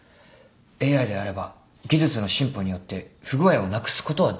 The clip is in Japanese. ＡＩであれば技術の進歩によって不具合をなくすことはできる。